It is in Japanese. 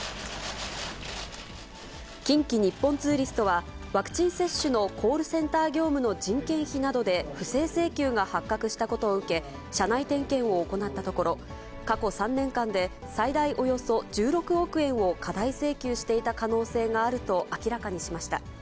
近畿日本ツーリストは、ワクチン接種のコールセンター業務の人件費などで不正請求が発覚したことを受け、社内点検を行ったところ、過去３年間で最大およそ１６億円を過大請求していた可能性があると明らかにしました。